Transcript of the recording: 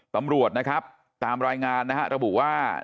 ตำรวจนะครับตามรายงานนะฮะระบุว่า